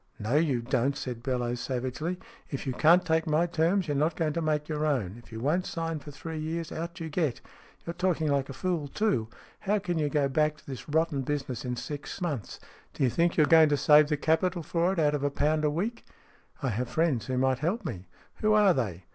" No, you don't," said Bellowes, savagely "If you can't take my terms, you're not going to make your own. If you won't sign for three years, out you get! You're talking like a fool, too. How can you go back to this rotten business in six SMEATH 9 months ? D'you think you're going to save the capital for it out of a pound a week ?"" I have friends who might help me." "Who are they?"